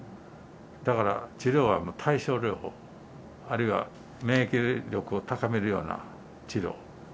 だから治療は対症療法、あるいは免疫力を高めるような治療。